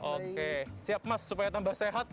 oke siap mas supaya tambah sehat